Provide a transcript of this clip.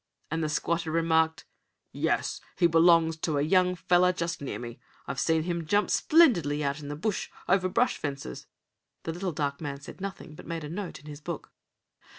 And the squatter remarked: "Yes, he belongs to a young feller just near me. I've seen him jump splendidly out in the bush, over brush fences." The little dark man said nothing, but made a note in his book.